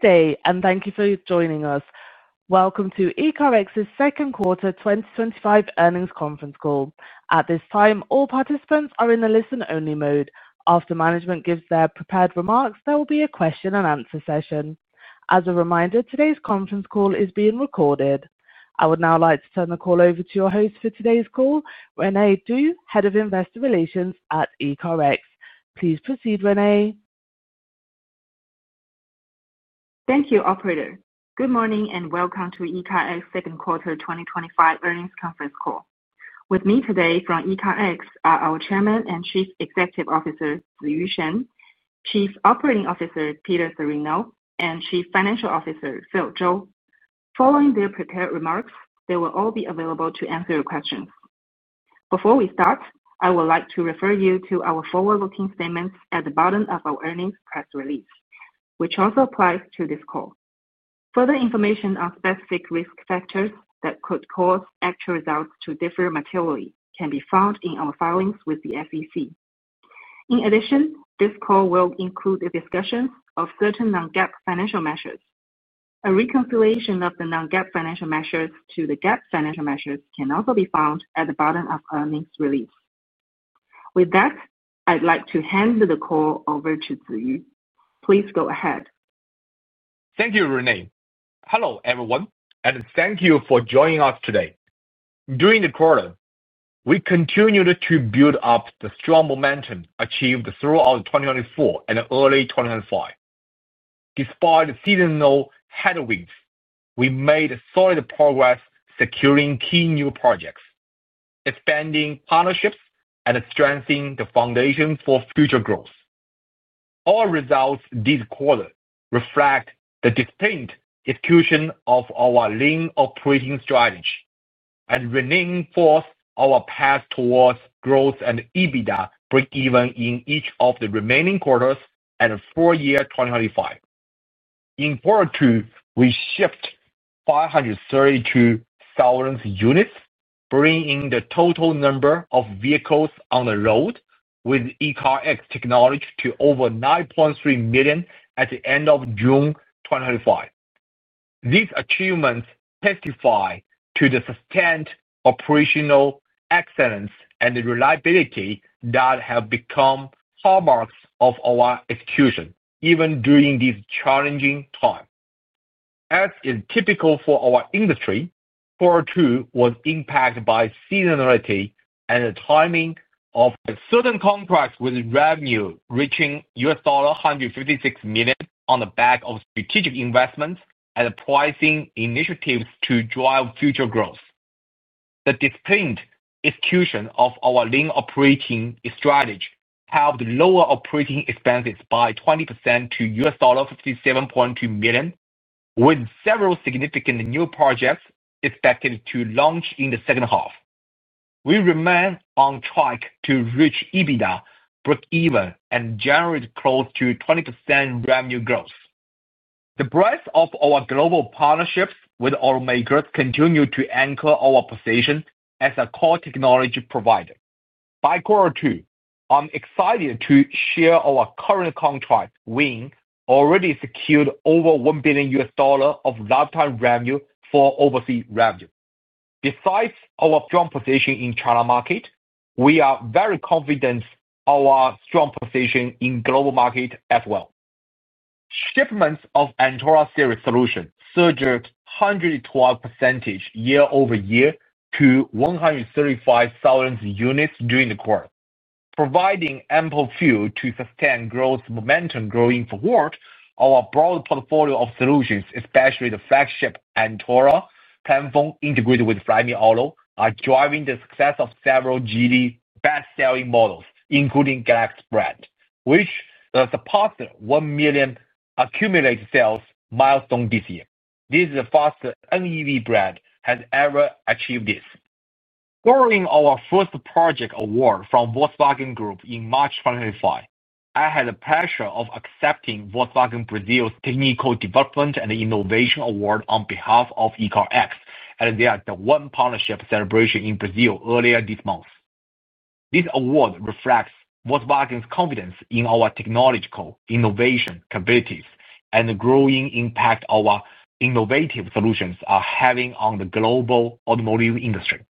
Stay, and thank you for joining us. Welcome to ECARX's Second Quarter 2025 Earnings Conference Call. At this time, all participants are in a listen-only mode. After management gives their prepared remarks, there will be a question-and-answer session. As a reminder, today's conference call is being recorded. I would now like to turn the call over to your host for today's call, Rene Du, Head of Investor Relations at ECARX. Please proceed, Rene. Thank you, operator. Good morning and welcome to ECARX's Second Quarter 2025 Earnings Conference Call. With me today from ECARX are our Chairman and Chief Executive Officer, Ziyu Shen, Chief Operating Officer, Peter Cirino, and Chief Financial Officer, Phil Zhou. Following their prepared remarks, they will all be available to answer your questions. Before we start, I would like to refer you to our forward-looking statements at the bottom of our earnings press release, which also applies to this call. Further information on specific risk factors that could cause actual results to differ materially can be found in our filings with the SEC. In addition, this call will include a discussion of certain non-GAAP financial measures. A reconciliation of the non-GAAP financial measures to the GAAP financial measures can also be found at the bottom of the earnings release. With that, I'd like to hand the call over to Ziyu. Please go ahead. Thank you, Rene. Hello everyone, and thank you for joining us today. During the quarter, we continued to build up the strong momentum achieved throughout 2024 and early 2025. Despite seasonal headwinds, we made solid progress securing key new projects, expanding partnerships, and strengthening the foundation for future growth. Our results this quarter reflect the distinct execution of our lean operating strategy and reinforce our path towards growth and EBITDA break-even in each of the remaining quarters and the full year 2025. In Q2, we shipped 532,000 units, bringing the total number of vehicles on the road with ECARX technology to over 9.3 million at the end of June 2025. These achievements testify to the sustained operational excellence and reliability that have become hallmarks of our execution even during these challenging times. As is typical for our industry, Q2 was impacted by seasonality and the timing of certain contracts, with revenue reaching $156 million on the back of strategic investments and pricing initiatives to drive future growth. The distinct execution of our lean operating strategy helped lower operating expenses by 20% to $57.2 million, with several significant new projects expected to launch in the second half. We remain on track to reach EBITDA break-even and generate close to 20% revenue growth. The breadth of our global partnerships with automakers continues to anchor our position as a core technology provider. By Q2, I'm excited to share our current contract win already secured over $1 billion of lifetime revenue for overseas revenue. Besides our strong position in the China market, we are very confident in our strong position in the global market as well. Shipments of Antora series solutions surged 112% year-over-year to 135,000 units during the quarter, providing ample fuel to sustain growth momentum going forward. Our broad portfolio of solutions, especially the flagship Antora platform integrated with Flyme Auto, are driving the success of several Geely's best-selling models, including the Galaxy brand, which surpassed 1 million accumulated sales milestones this year. This is the fastest any NEV brand has ever achieved this. Following our first project award from Volkswagen Group in March 2025, I had the pleasure of accepting Volkswagen Brazil's Technical Development and Innovation Award on behalf of ECARX at their D1 Partnership Celebration in Brazil earlier this month. This award reflects Volkswagen's confidence in our technological innovation capabilities and the growing impact our innovative solutions are having on the global automotive industry.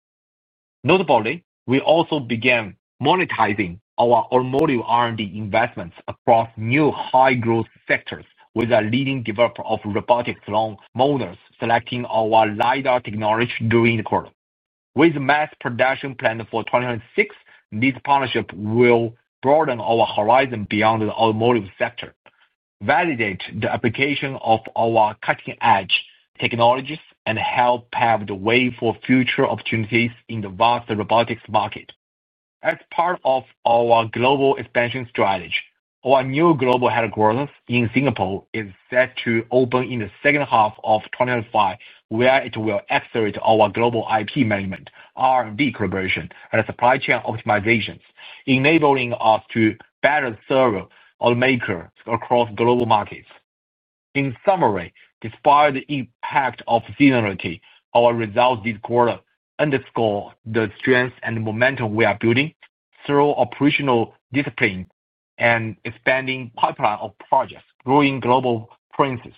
Notably, we also began monetizing our automotive R&D investments across new high-growth sectors with a leading developer of robotic lawn mowers selecting our LiDAR technology during the quarter. With mass production planned for 2026, this partnership will broaden our horizons beyond the automotive sector, validate the application of our cutting-edge technologies, and help pave the way for future opportunities in the vast robotics market. As part of our global expansion strategy, our new global headquarters in Singapore is set to open in the second half of 2025, where it will accelerate our global IT management, R&D collaboration, and supply chain optimizations, enabling us to better serve automakers across global markets. In summary, despite the impact of seasonality, our results this quarter underscore the strength and momentum we are building through operational discipline and expanding pipeline of projects, growing global presence,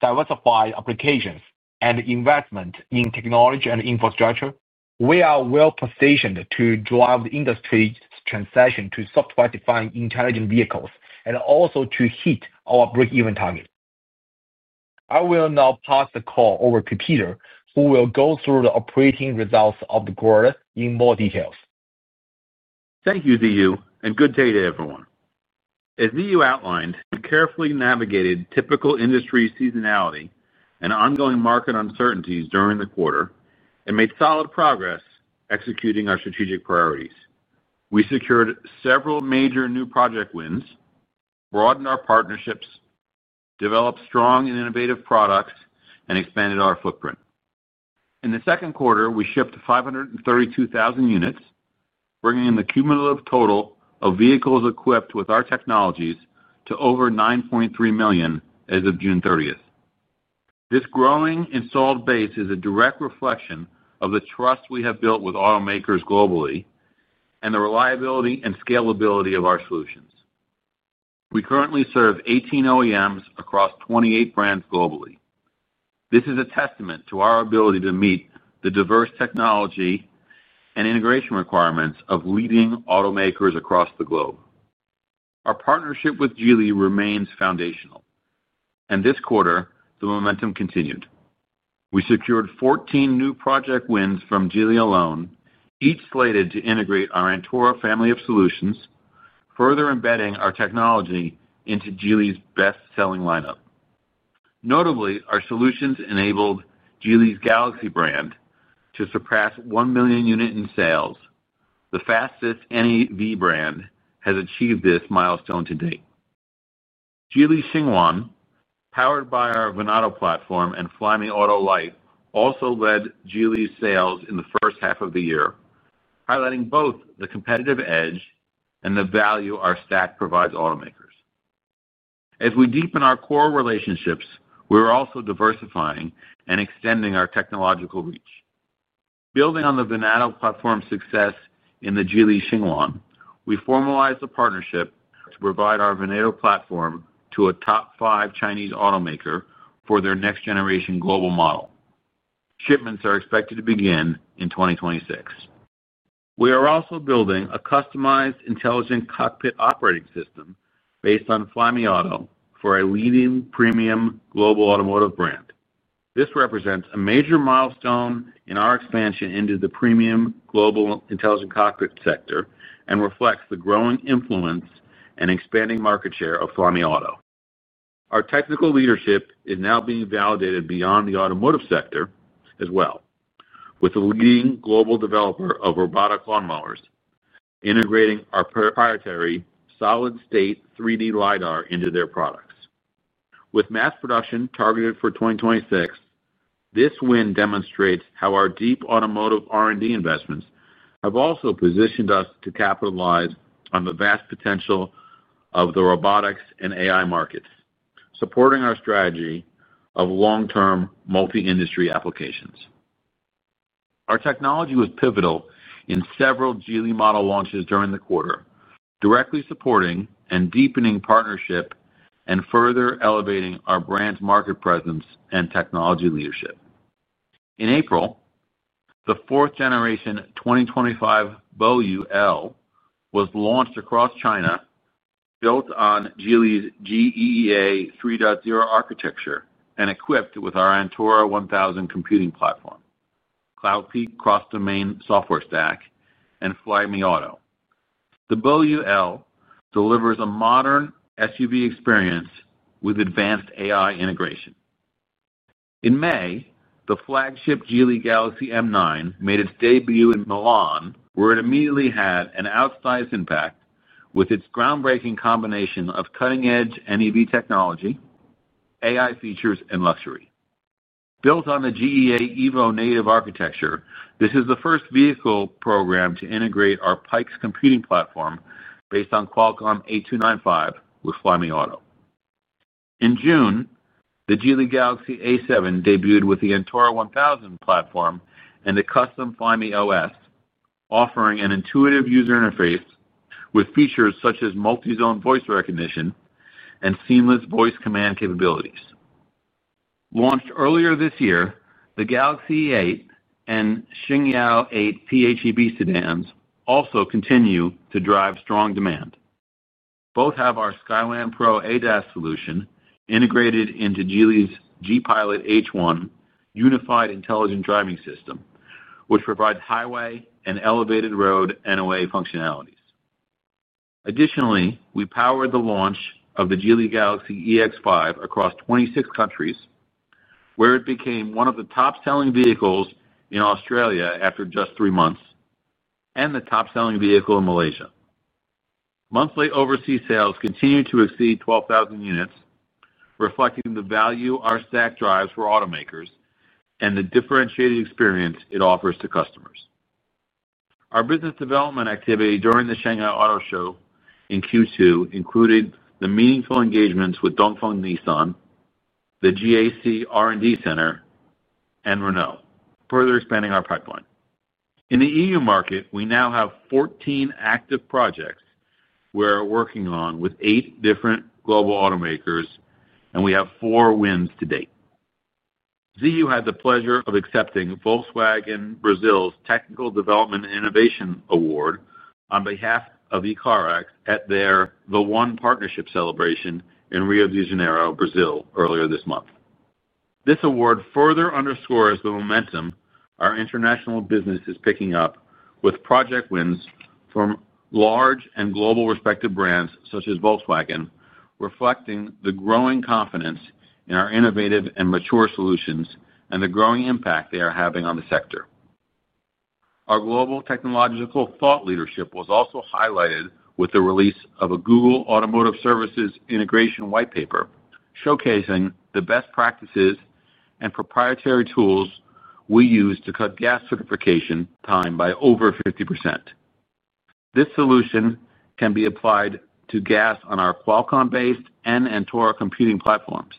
diversified applications, and investment in technology and infrastructure. We are well-positioned to drive the industry's transition to software-defined intelligent vehicles and also to hit our break-even target. I will now pass the call over to Peter, who will go through the operating results of the quarter in more details. Thank you, Ziyu, and good day to everyone. As Ziyu outlined, we carefully navigated typical industry seasonality and ongoing market uncertainties during the quarter and made solid progress executing our strategic priorities. We secured several major new project wins, broadened our partnerships, developed strong and innovative products, and expanded our footprint. In the second quarter, we shipped 532,000 units, bringing the cumulative total of vehicles equipped with our technologies to over 9.3 million as of June 30. This growing installed base is a direct reflection of the trust we have built with automakers globally and the reliability and scalability of our solutions. We currently serve 18 OEMs across 28 brands globally. This is a testament to our ability to meet the diverse technology and integration requirements of leading automakers across the globe. Our partnership with Geely remains foundational, and this quarter, the momentum continued. We secured 14 new project wins from Geely alone, each slated to integrate our Antora family of solutions, further embedding our technology into Geely's best-selling lineup. Notably, our solutions enabled Geely's Galaxy brand to surpass 1 million units in sales, the fastest NEV brand has achieved this milestone to date. Geely Xingyuan, powered by our Venado platform and Flyme Auto Light, also led Geely's sales in the first half of the year, highlighting both the competitive edge and the value our stack provides automakers. As we deepen our core relationships, we're also diversifying and extending our technological reach. Building on the Venado platform's success in the Geely Xingyuan, we formalized the partnership to provide our Venado platform to a top five Chinese automaker for their next-generation global model. Shipments are expected to begin in 2026. We are also building a customized intelligent cockpit operating system based on Flyme Auto for a leading premium global automotive brand. This represents a major milestone in our expansion into the premium global intelligent cockpit sector and reflects the growing influence and expanding market share of Flyme Auto. Our technical leadership is now being validated beyond the automotive sector as well, with a leading global developer of robotic lawn mowers integrating our proprietary solid-state 3D LiDAR into their products. With mass production targeted for 2026, this win demonstrates how our deep automotive R&D investments have also positioned us to capitalize on the vast potential of the robotics and AI markets, supporting our strategy of long-term multi-industry applications. Our technology was pivotal in several Geely model launches during the quarter, directly supporting and deepening partnerships and further elevating our brand's market presence and technology leadership. In April, the 4th-generation 2025 Boyue L was launched across China, built on Geely's GEEA 3.0 architecture and equipped with our Antora 1000 computing platform, CloudPeak cross-domain software stack, and Flyme Auto. The Boyue L delivers a modern SUV experience with advanced AI integration. In May, the flagship Geely Galaxy M9 made its debut in Milan, where it immediately had an outsized impact with its groundbreaking combination of cutting-edge NEV technology, AI features, and luxury. Built on the GEEA EVO native architecture, this is the first vehicle programmed to integrate our Pikes computing platform based on Qualcomm 8295 with Flyme Auto. In June, the Geely Galaxy A7 debuted with the Antora 1000 platform and the custom Flyme OS, offering an intuitive user interface with features such as multi-zone voice recognition and seamless voice command capabilities. Launched earlier this year, the Galaxy E8 and Xingyao 8 PHEV sedans also continue to drive strong demand. Both have our Skyland Pro ADAS solution integrated into Geely's G-Pilot H1 unified intelligent driving system, which provides highway and elevated road NOA functionalities. Additionally, we powered the launch of the Geely Galaxy EX5 across 26 countries, where it became one of the top-selling vehicles in Australia after just three months and the top-selling vehicle in Malaysia. Monthly overseas sales continue to exceed 12,000 units, reflecting the value our stack drives for automakers and the differentiated experience it offers to customers. Our business development activity during the Shanghai Auto Show in Q2 included the meaningful engagements with Dongfeng Nissan, the GAC R&D Center, and Renault, further expanding our pipeline. In the EU market, we now have 14 active projects we're working on with eight different global automakers, and we have four wins to date. Ziyu had the pleasure of accepting Volkswagen Brazil's Technical Development and Innovation Award on behalf of ECARX at their D1 Partnership Celebration in Rio de Janeiro, Brazil, earlier this month. This award further underscores the momentum our international business is picking up with project wins from large and globally respected brands such as Volkswagen, reflecting the growing confidence in our innovative and mature solutions and the growing impact they are having on the sector. Our global technological thought leadership was also highlighted with the release of a Google Automotive Services Integration whitepaper showcasing the best practices and proprietary tools we use to cut GAS certification time by over 50%. This solution can be applied to GAS on our Qualcomm-based and Antora computing platforms,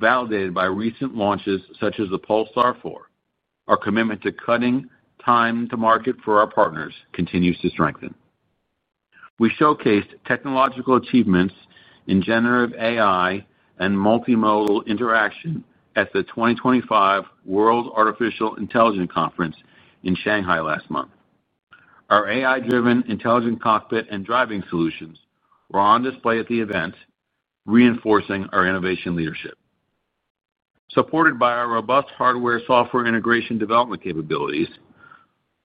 validated by recent launches such as the Polestar 4. Our commitment to cutting time to market for our partners continues to strengthen. We showcased technological achievements in generative AI and multimodal interaction at the 2025 World Artificial Intelligence Conference in Shanghai last month. Our AI-driven intelligent cockpit and driving solutions were on display at the event, reinforcing our innovation leadership. Supported by our robust hardware-software integration development capabilities,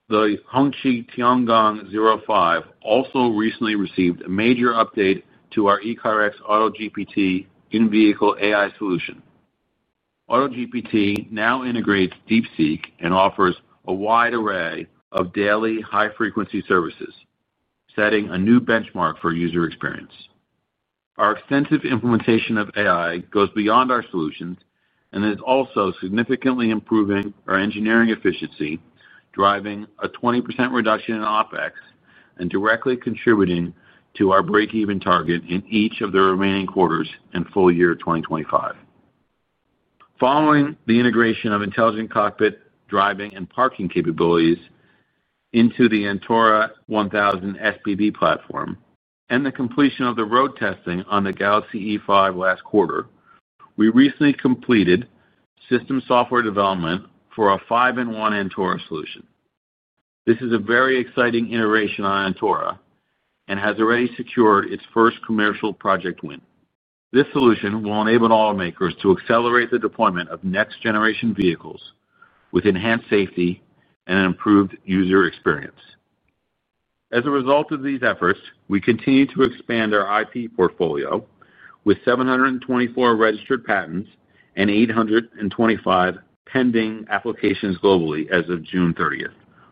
the Hongqi Tiangong 05 also recently received a major update to our ECARX AutoGPT in-vehicle AI solution. AutoGPT now integrates DeepSeek and offers a wide array of daily high-frequency services, setting a new benchmark for user experience. Our extensive implementation of AI goes beyond our solutions and is also significantly improving our engineering efficiency, driving a 20% reduction in OpEx and directly contributing to our break-even target in each of the remaining quarters and full year 2025. Following the integration of intelligent cockpit driving and parking capabilities into the Antora 1000 SBB platform and the completion of the road testing on the Galaxy E5 last quarter, we recently completed system software development for a five-in-one Antora solution. This is a very exciting iteration on Antora and has already secured its first commercial project win. This solution will enable automakers to accelerate the deployment of next-generation vehicles with enhanced safety and an improved user experience. As a result of these efforts, we continue to expand our IP portfolio with 724 registered patents and 825 pending applications globally as of June 30,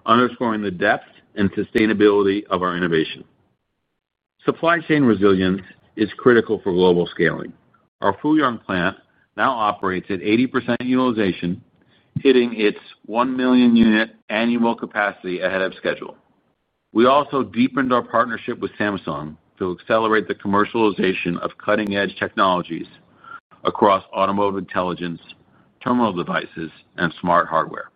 underscoring the depth and sustainability of our innovation. Supply chain resilience is critical for global scaling. Our Fuyang plant now operates at 80% utilization, hitting its 1 million unit annual capacity ahead of schedule. We also deepened our partnership with Samsung to accelerate the commercialization of cutting-edge technologies across automotive intelligence, terminal devices, and smart hardware.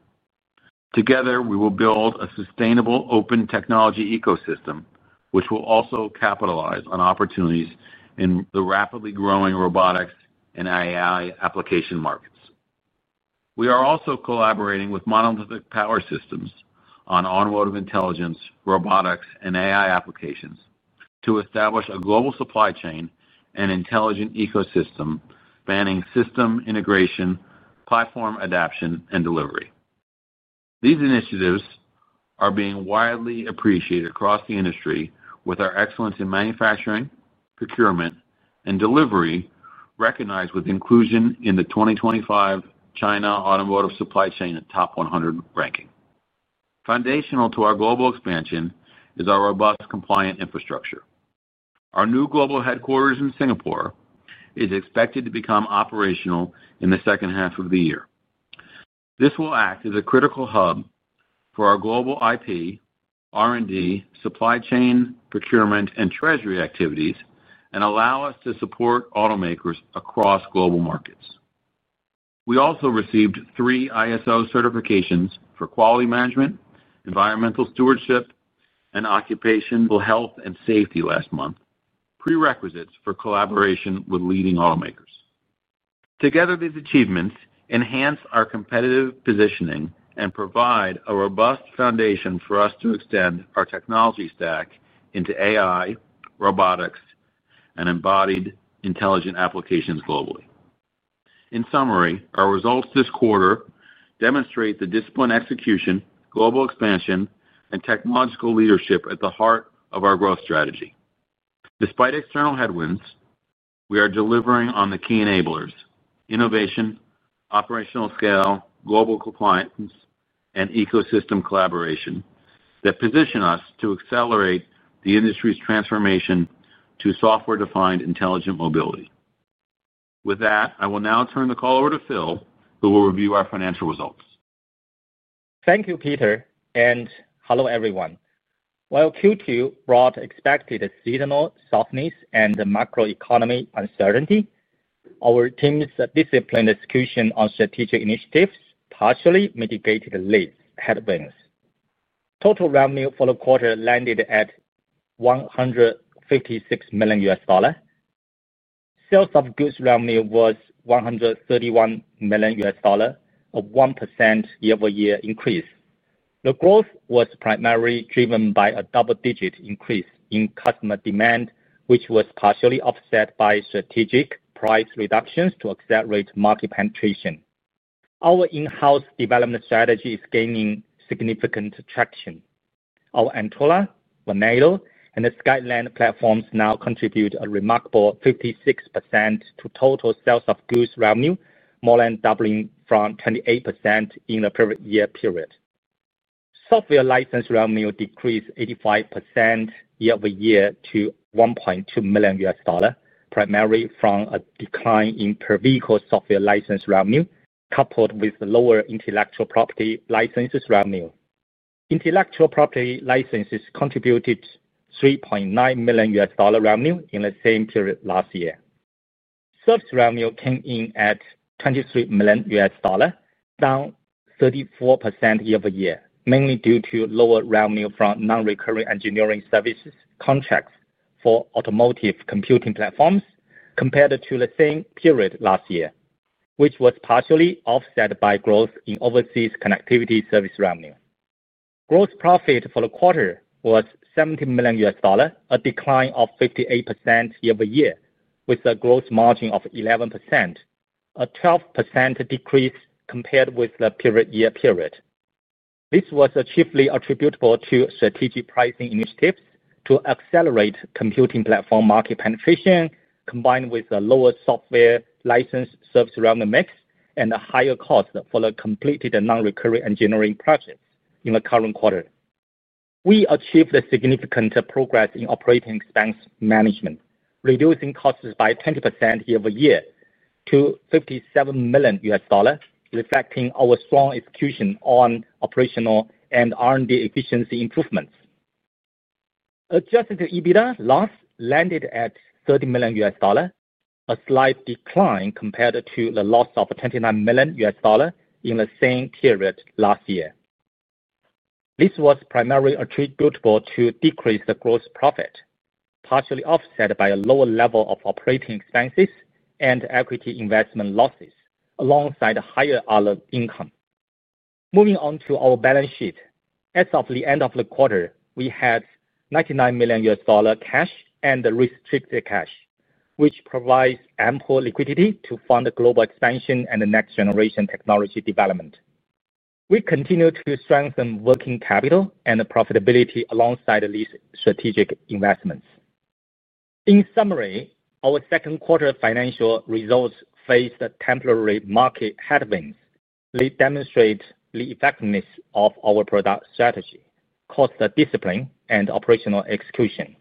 Together, we will build a sustainable open technology ecosystem, which will also capitalize on opportunities in the rapidly growing robotics and AI application markets. We are also collaborating with Monolithic Power Systems on automotive intelligence, robotics, and AI applications to establish a global supply chain and intelligent ecosystem spanning system integration, platform adoption, and delivery. These initiatives are being widely appreciated across the industry with our excellence in manufacturing, procurement, and delivery recognized with inclusion in the 2025 China Automotive Supply Chain Top 100 ranking. Foundational to our global expansion is our robust compliant infrastructure. Our new global headquarters in Singapore is expected to become operational in the second half of the year. This will act as a critical hub for our global IP, R&D, supply chain, procurement, and treasury activities and allow us to support automakers across global markets. We also received three ISO certifications for quality management, environmental stewardship, and occupational health and safety last month, prerequisites for collaboration with leading automakers. Together, these achievements enhance our competitive positioning and provide a robust foundation for us to extend our technology stack into AI, robotics, and embodied intelligent applications globally. In summary, our results this quarter demonstrate the discipline execution, global expansion, and technological leadership at the heart of our growth strategy. Despite external headwinds, we are delivering on the key enablers: innovation, operational scale, global compliance, and ecosystem collaboration that position us to accelerate the industry's transformation to software-defined intelligent mobility. With that, I will now turn the call over to Phil, who will review our financial results. Thank you, Peter, and hello everyone. While Q2 brought expected seasonal softness and macroeconomic uncertainty, our team's disciplined execution on strategic initiatives partially mitigated the lead headwinds. Total revenue for the quarter landed at $156 million. Sales of goods revenue was $131 million, a 1% year-over-year increase. The growth was primarily driven by a double-digit increase in customer demand, which was partially offset by strategic price reductions to accelerate market penetration. Our in-house development strategy is gaining significant traction. Our Antora, Venado, and the Skyline platforms now contribute a remarkable 56% to total sales of goods revenue, more than doubling from 28% in the previous year period. Software license revenue decreased 85% year-over-year to $1.2 million, primarily from a decline in per-vehicle software license revenue, coupled with lower intellectual property licenses revenue. Intellectual property licenses contributed $3.9 million revenue in the same period last year. Service revenue came in at $23 million, down 34% year-over-year, mainly due to lower revenue from non-recurring engineering contracts for automotive computing platforms compared to the same period last year, which was partially offset by growth in overseas connectivity service revenue. Gross profit for the quarter was $70 million, a decline of 58% year-over-year, with a gross margin of 11%, a 12% decrease compared with the previous year period. This was chiefly attributable to strategic pricing initiatives to accelerate computing platform market penetration, combined with a lower software license service revenue mix and a higher cost for the completed non-recurring engineering projects in the current quarter. We achieved significant progress in operating expense management, reducing costs by 20% year-over-year to $57 million, reflecting our strong execution on operational and R&D efficiency improvements. Adjusted EBITDA loss landed at $30 million, a slight decline compared to the loss of $29 million in the same period last year. This was primarily attributable to decreased gross profit, partially offset by a lower level of operating expenses and equity investment losses, alongside higher hourly income. Moving on to our balance sheet, as of the end of the quarter, we had $99 million cash and restricted cash, which provides ample liquidity to fund global expansion and next-generation technology development. We continue to strengthen working capital and profitability alongside these strategic investments. In summary, our second quarter financial results faced temporary market headwinds, demonstrating the effectiveness of our product strategy, cost discipline, and operational execution.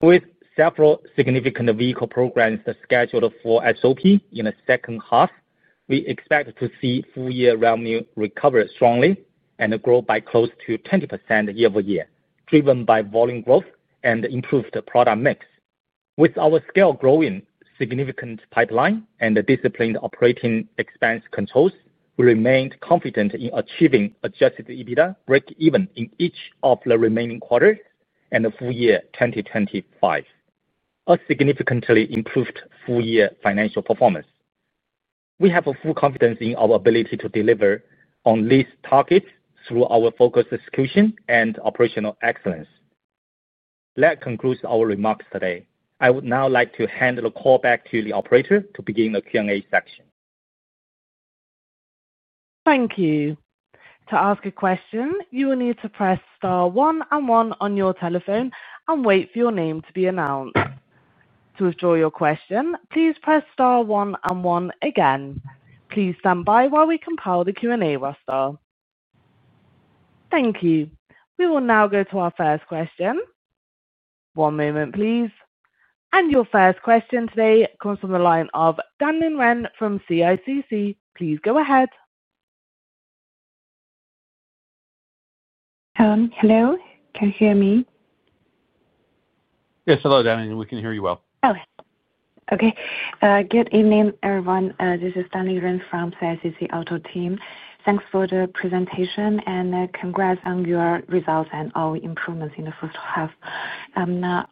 With several significant vehicle programs scheduled for SOP in the second half, we expect to see full-year revenue recover strongly and grow by close to 20% year-over-year, driven by volume growth and improved product mix. With our scale growing, significant pipeline, and disciplined operating expense controls, we remain confident in achieving adjusted EBITDA break-even in each of the remaining quarters and the full year 2025, a significantly improved full-year financial performance. We have full confidence in our ability to deliver on these targets through our focused execution and operational excellence. That concludes our remarks today. I would now like to hand the call back to the operator to begin the Q&A section. Thank you. To ask a question, you will need to press star one and one on your telephone and wait for your name to be announced. To withdraw your question, please press star one and one again. Please stand by while we compile the Q&A. Thank you. We will now go to our first question. One moment, please. Your first question today comes from the line of Danlin Ren from CICC. Please go ahead. Hello, can you hear me? Yes, hello, Daniel. We can hear you well. Oh, okay. Good evening, everyone. This is Danlin Ren from CICC Auto Team. Thanks for the presentation and congrats on your results and all improvements in the first half. Now,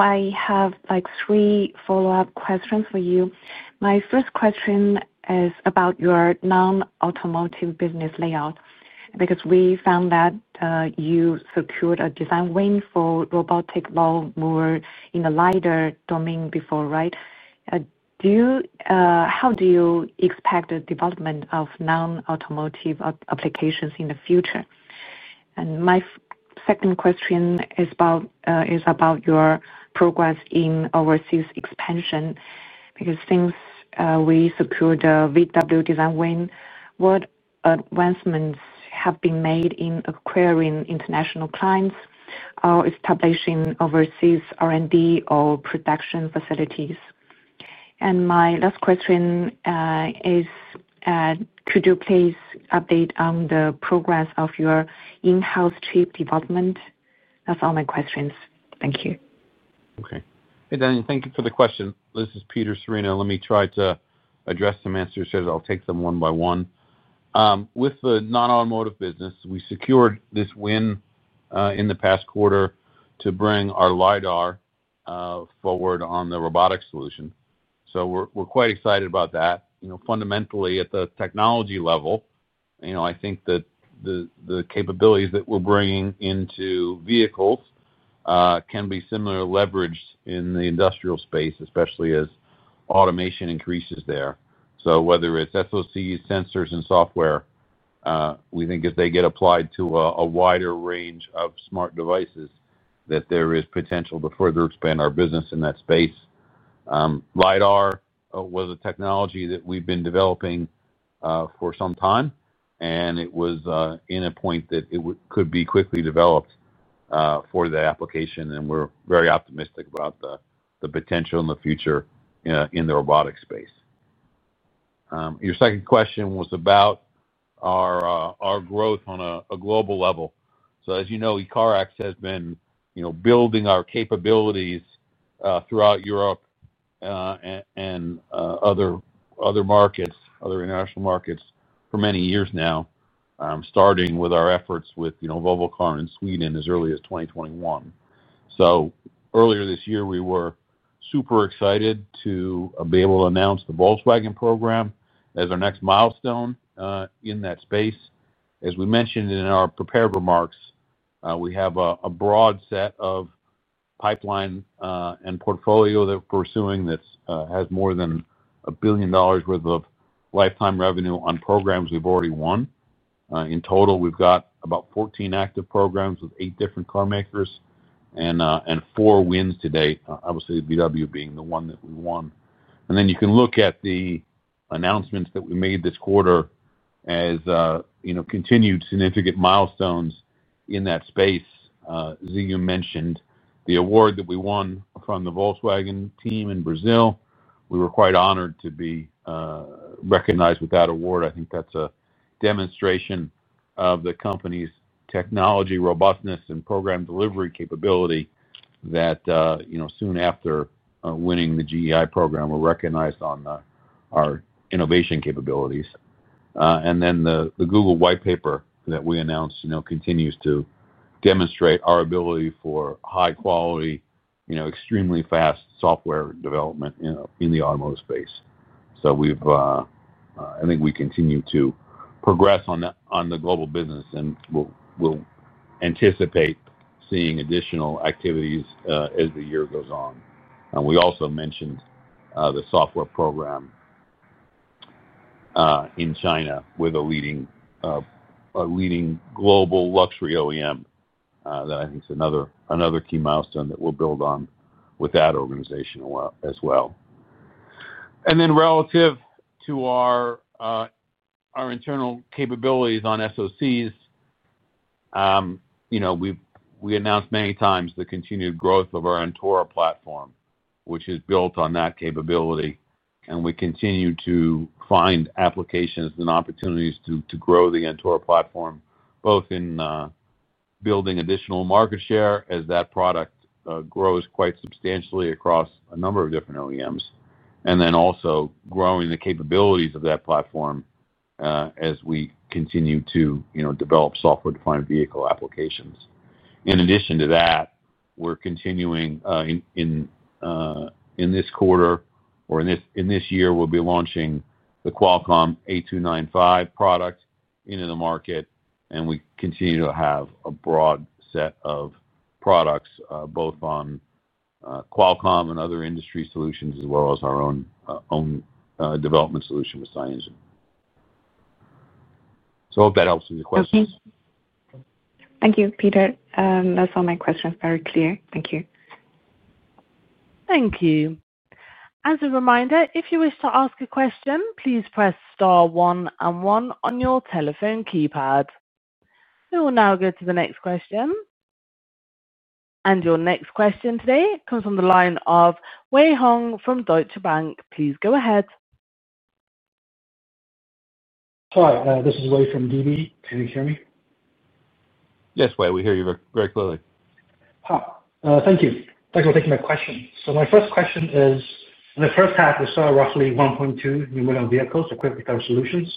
I have like three follow-up questions for you. My first question is about your non-automotive business layout because we found that you secured a design win for robotic lawn mowers in a LiDAR domain before, right? How do you expect the development of non-automotive applications in the future? My second question is about your progress in overseas expansion because since we secured the Volkswagen Group design win, what advancements have been made in acquiring international clients or establishing overseas R&D or production facilities? My last question is, could you please update on the progress of your in-house chip development? That's all my questions. Thank you. Okay. Hey, Danlin, thank you for the question. This is Peter Cirino. Let me try to address some answers here. I'll take them one by one. With the non-automotive business, we secured this win in the past quarter to bring our LiDAR forward on the robotics solution. We're quite excited about that. Fundamentally, at the technology level, I think that the capabilities that we're bringing into vehicles can be similarly leveraged in the industrial space, especially as automation increases there. Whether it's SOCs, sensors, and software, we think as they get applied to a wider range of smart devices, there is potential to further expand our business in that space. LiDAR was a technology that we've been developing for some time, and it was at a point that it could be quickly developed for that application. We're very optimistic about the potential in the future in the robotics space. Your second question was about our growth on a global level. As you know, ECARX has been building our capabilities throughout Europe and other international markets for many years now, starting with our efforts with Volvo Car in Sweden as early as 2021. Earlier this year, we were super excited to be able to announce the Volkswagen program as our next milestone in that space. As we mentioned in our prepared remarks, we have a broad set of pipeline and portfolio that we're pursuing that has more than $1 billion worth of lifetime revenue on programs we've already won. In total, we've got about 14 active programs with eight different car makers and four wins to date, obviously Volkswagen being the one that we won. You can look at the announcements that we made this quarter as continued significant milestones in that space. Ziyu mentioned the award that we won from the Volkswagen team in Brazil. We were quite honored to be recognized with that award. I think that's a demonstration of the company's technology, robustness, and program delivery capability that, soon after winning the GEI program, we're recognized on our innovation capabilities. The Google whitepaper that we announced continues to demonstrate our ability for high quality, extremely fast software development in the automotive space. I think we continue to progress on the global business and we'll anticipate seeing additional activities as the year goes on. We also mentioned the software program in China with a leading global luxury OEM that I think is another key milestone that we'll build on with that organization as well. Relative to our internal capabilities on SOCs, you know, we announced many times the continued growth of our Antora platform, which is built on that capability. We continue to find applications and opportunities to grow the Antora platform, both in building additional market share as that product grows quite substantially across a number of different OEMs, and also growing the capabilities of that platform as we continue to develop software-defined vehicle applications. In addition to that, we're continuing in this quarter or in this year, we'll be launching the Qualcomm 8295 product into the market. We continue to have a broad set of products both on Qualcomm and other industry solutions, as well as our own development solution with SiEngine. I hope that helps with your questions. Thank you, Peter. That's all my questions. Very clear. Thank you. Thank you. As a reminder, if you wish to ask a question, please press star one and one on your telephone keypad. We will now go to the next question. Your next question today comes from the line of Wei Huang from Deutsche Bank. Please go ahead. Hi. This is Wei Huang from DB. Can you hear me? Yes, Wei. We hear you very clearly. Thank you. Thanks for taking my question. My first question is, in the first half, we saw roughly 1.2 million new vehicles equipped with our solutions.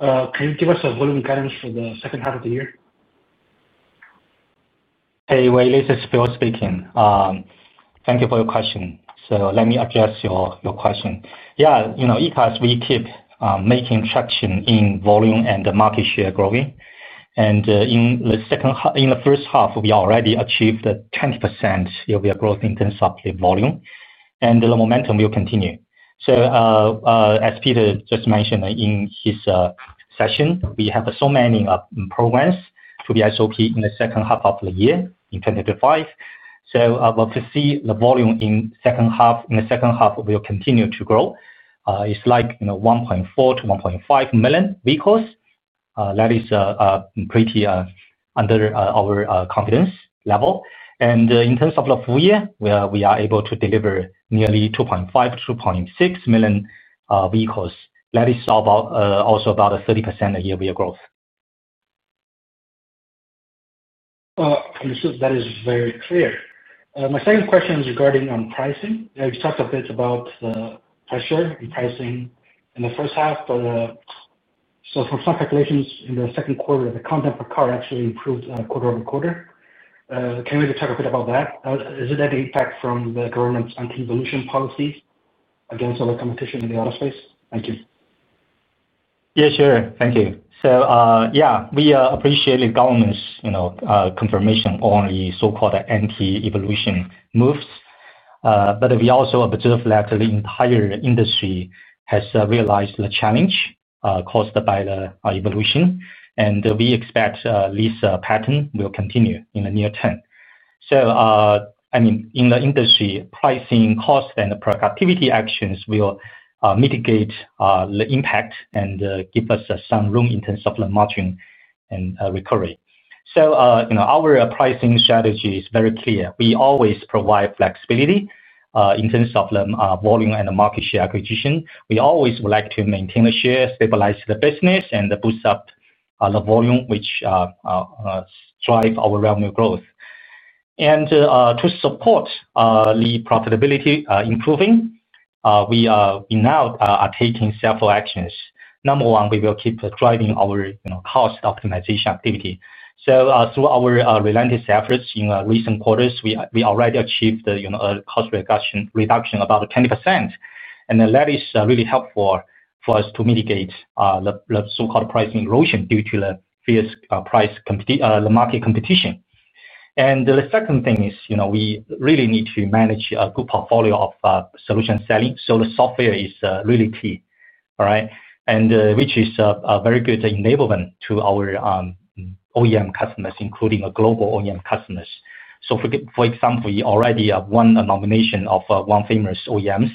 Can you give us a volume guidance for the second half of the year? Hey, Wei. This is Phil speaking. Thank you for your question. Let me address your question. Yeah, you know, ECARX, we keep making traction in volume and the market share growing. In the second half, in the first half, we already achieved the 20% year-over-year growth in terms of the volume. The momentum will continue. As Peter just mentioned in his session, we have so many programs to the SOP in the second half of the year in 2025. We'll see the volume in the second half will continue to grow. It's like, you know, 1.4 million-1.5 million vehicles. That is pretty under our confidence level. In terms of the full year, we are able to deliver nearly 2.5 million-2.6 million vehicles. That is also about 30% year-over-year growth. Understood. That is very clear. My second question is regarding pricing. We talked a bit about the price shift in pricing in the first half for some calculations in the second quarter. The content per car actually improved quarter over quarter. Can you talk a bit about that? Is it an impact from the government's anti-evolution policies against other competition in the auto space? Thank you. Thank you. We appreciate the government's confirmation on the so-called anti-evolution moves. We also observe that the entire industry has realized the challenge caused by the evolution. We expect this pattern will continue in the near term. In the industry, pricing, costs, and productivity actions will mitigate the impact and give us some room in terms of the margin and recovery. Our pricing strategy is very clear. We always provide flexibility in terms of the volume and the market share acquisition. We always like to maintain the share, stabilize the business, and boost up the volume, which drives our revenue growth. To support the profitability improving, we now are taking several actions. Number one, we will keep driving our cost optimization activity. Through our relentless efforts in recent quarters, we already achieved the cost reduction of about 20%. That is really helpful for us to mitigate the so-called pricing erosion due to the fierce price market competition. The second thing is, we really need to manage a good portfolio of solution selling. The software is really key, which is a very good enablement to our OEM customers, including global OEM customers. For example, we already won a nomination of one famous OEM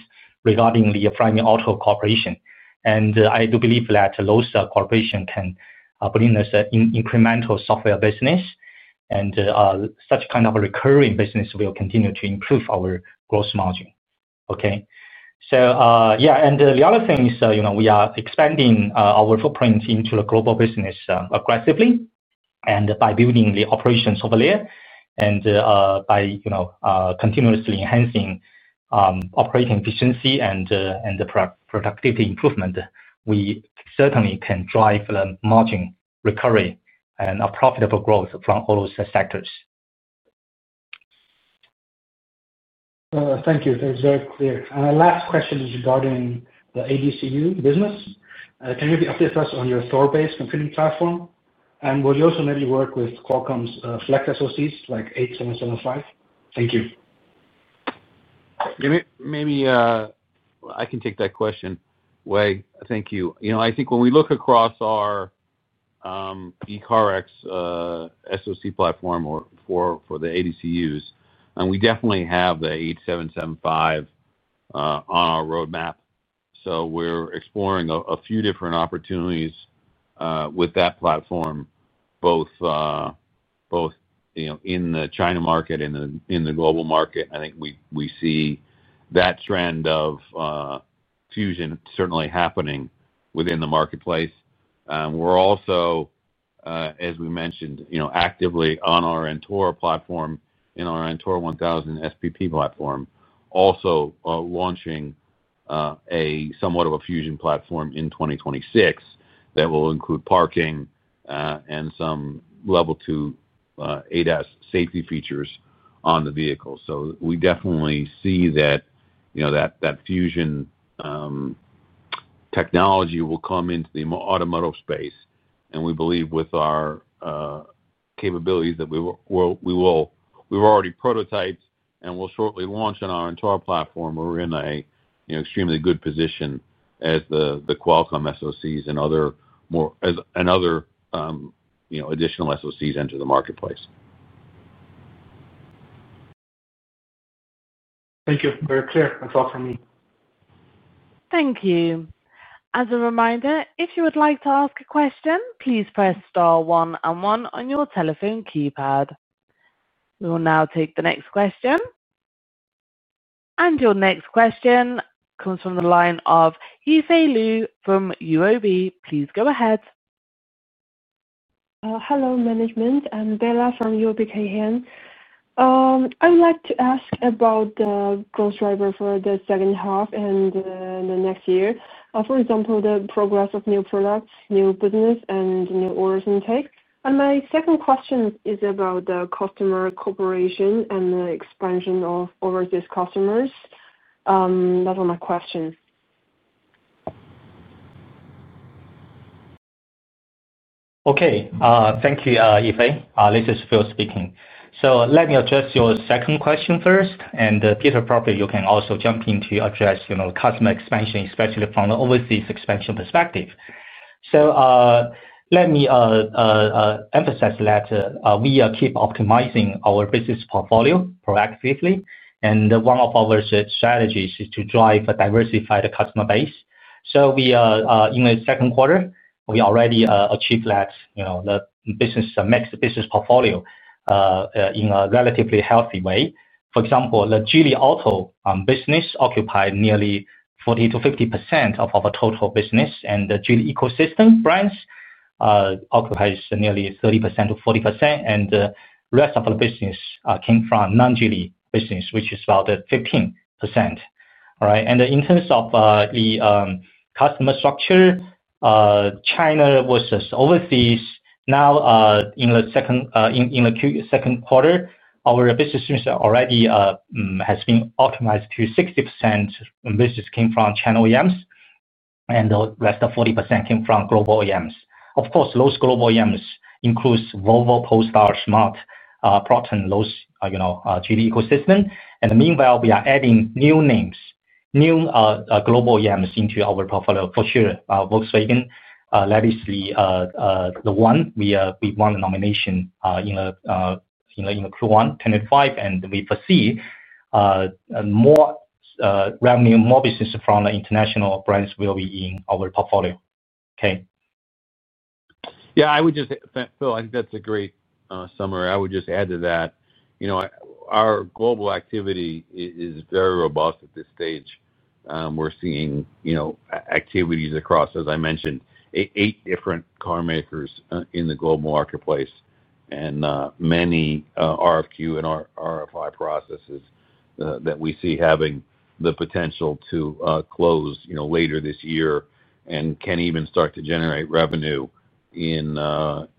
regarding the Flyme Auto Corporation. I do believe that those corporations can bring us an incremental software business. Such kind of a recurring business will continue to improve our gross margin. We are expanding our footprint into the global business aggressively. By building the operations over there and by continuously enhancing operating efficiency and productivity improvement, we certainly can drive the margin recovery and profitable growth from all those sectors. Thank you. That is very clear. The last question is regarding the ADCU business. Can you update us on your store-based computing platform? Will you also maybe work with Qualcomm's Flex SoCs like 8775? Thank you. Yeah, maybe I can take that question, Wei. Thank you. I think when we look across our ECARX SoC platform for the ADCUs, we definitely have the 8775 on our roadmap. We're exploring a few different opportunities with that platform, both in the China market and in the global market. I think we see that trend of fusion certainly happening within the marketplace. We're also, as we mentioned, actively on our Antora platform and our Antora 1000 SBP platform, also launching somewhat of a fusion platform in 2026 that will include parking and some level 2 ADAS safety features on the vehicle. We definitely see that fusion technology will come into the automotive space. We believe with our capabilities that we will, we've already prototyped and will shortly launch on our Antora platform. We're in an extremely good position as the Qualcomm SoCs and other additional SoCs enter the marketplace. Thank you. Very clear. That's all from me. Thank you. As a reminder, if you would like to ask a question, please press star one and one on your telephone keypad. We will now take the next question. Your next question comes from the line of Yifei Lu from UOB. Please go ahead. Hello, management. I'm Yifei from UOB KAY HIAN. I would like to ask about the growth driver for the second half and the next year. For example, the progress of new products, new business, and new orders intake. My second question is about the customer cooperation and the expansion of overseas customers. That's my question. Thank you, Yifei. This is Phil speaking. Let me address your second question first. Peter, probably you can also jump in to address customer expansion, especially from the overseas expansion perspective. Let me emphasize that we keep optimizing our business portfolio proactively. One of our strategies is to drive a diversified customer base. In the second quarter, we already achieved that, the business mixed business portfolio in a relatively healthy way. For example, the Geely Auto business occupied nearly 40%-50% of our total business, and the Geely Ecosystem brands occupied nearly 30%-40%. The rest of the business came from the non-Geely business, which is about 15%. In terms of the customer structure, China versus overseas, now in the second quarter, our business already has been optimized to 60% business came from China OEMs, and the rest of 40% came from global OEMs. Of course, those global OEMs include Volvo, Polestar, Smart, Proton, those Geely Ecosystem. Meanwhile, we are adding new names, new global OEMs into our portfolio for sure. Volkswagen is the one we won the nomination in Q1 2025. We foresee more revenue, more business from the international brands will be in our portfolio. Yeah, Phil, I think that's a great summary. I would just add to that, our global activity is very robust at this stage. We're seeing activities across, as I mentioned, eight different car makers in the global marketplace and many RFQ and RFI processes that we see having the potential to close later this year and can even start to generate revenue in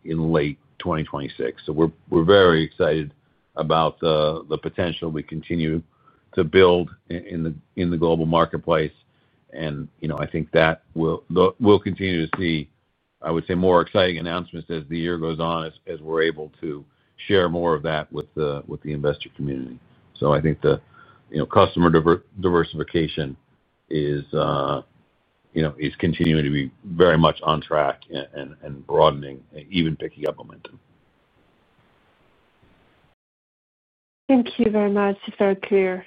late 2026. We're very excited about the potential we continue to build in the global marketplace. I think that we'll continue to see, I would say, more exciting announcements as the year goes on, as we're able to share more of that with the investor community. I think the customer diversification is continuing to be very much on track and broadening, even picking up momentum. Thank you very much. Very clear.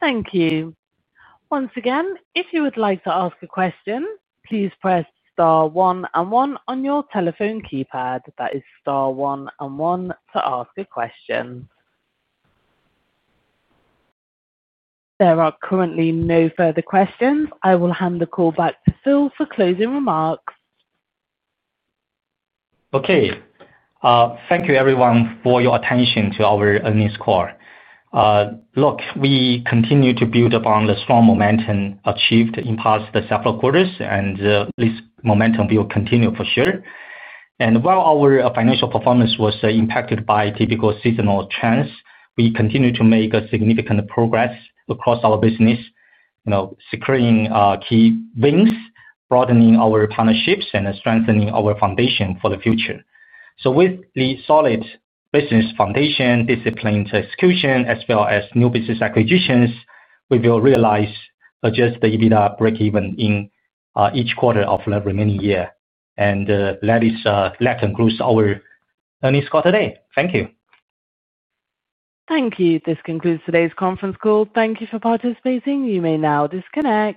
Thank you. Once again, if you would like to ask a question, please press star one and one on your telephone keypad. That is star one and one to ask a question. There are currently no further questions. I will hand the call back to Phil for closing remarks. Okay. Thank you, everyone, for your attention to our earnings call. We continue to build upon the strong momentum achieved in the past several quarters, and this momentum will continue for sure. While our financial performance was impacted by typical seasonal trends, we continue to make significant progress across our business, securing key wins, broadening our partnerships, and strengthening our foundation for the future. With the solid business foundation, disciplined execution, as well as new business acquisitions, we will realize just the EBITDA break-even in each quarter of the remaining year. That concludes our earnings call today. Thank you. Thank you. This concludes today's conference call. Thank you for participating. You may now disconnect.